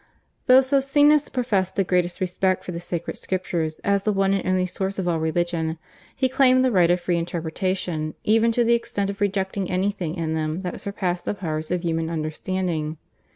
Though Socinus professed the greatest respect for the Sacred Scriptures as the one and only source of all religion, he claimed the right of free interpretation even to the extent of rejecting anything in them that surpassed the powers of human understanding.